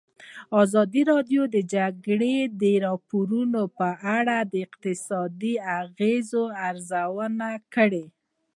ازادي راډیو د د جګړې راپورونه په اړه د اقتصادي اغېزو ارزونه کړې.